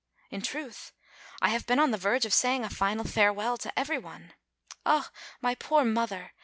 In truth, I have been on the verge of saying a final farewell to every one. Ah, my poor mother!